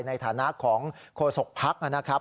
ในฐานะของโฆษกภักดิ์นะครับ